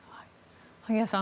萩谷さん